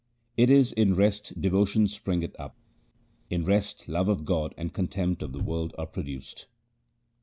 It is in rest devotion springeth up ; in rest love of God and contempt of the world are produced.